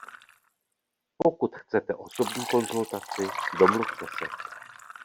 Pokud chcete osobní konzultaci, domluvte se.